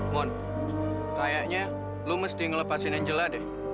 mon kayaknya lo mesti ngelepasin angela deh